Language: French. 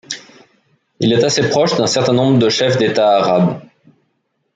Il est assez proche d'un certain nombre de chefs d'État arabes.